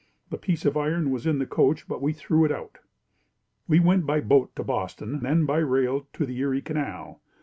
The piece of iron was in the coach, but we threw it out. We went by boat to Boston, then by rail to the Erie canal.